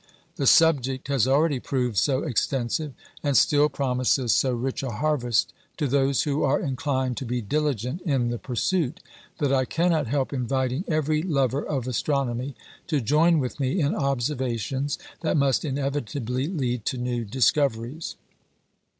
The subject has already proved so extensive, and still promises so rich a harvest to those who are inclined to be diligent in the pursuit, that I cannot help inviting every lover of astronomy to join with me in observations that must inevitably lead to new discoveries."